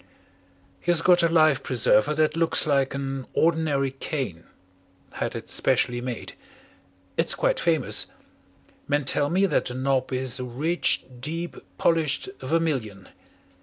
"He has got a life preserver that looks like an ordinary cane had it specially made. It's quite famous. Men tell me that the knob is a rich, deep, polished vermilion.